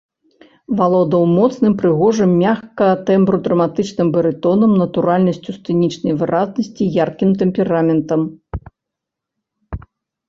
Валодаў моцным прыгожым мяккага тэмбру драматычным барытонам, натуральнасцю сцэнічнай выразнасці, яркім тэмпераментам.